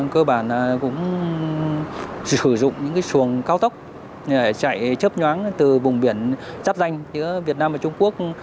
cơ bản là cũng sử dụng những cái xuồng cao tốc để chạy chấp nhoáng từ vùng biển chắp danh giữa việt nam và trung quốc